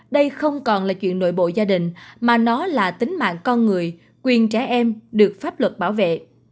đây không còn là chuyện nội bộ gia đình mà nó là tính mạng con người quyền trẻ em được pháp luật bảo vệ